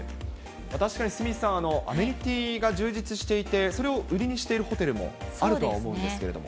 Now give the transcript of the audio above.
確かに鷲見さん、アメニティが充実していて、それを売りにしているホテルもあるとは思うんですけれども。